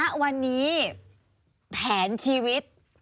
ณวันนี้แผนชีวิต